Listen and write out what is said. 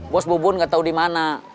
bos bubun gak tau dimana